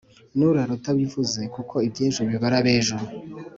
Nurare utabivuze kuko ibyejo bibara abejo